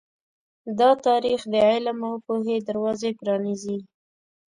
دا تاریخ د علم او پوهې دروازې پرانیزي.